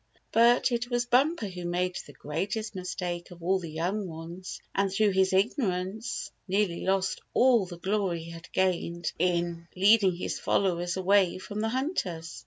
But it was Bumper who made the greatest mis take of all the young ones, and through his ig norance nearly lost all the glory he had gained in leading his followers away from the hunters.